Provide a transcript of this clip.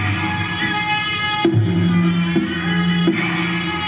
สุดท้ายสุดท้ายสุดท้าย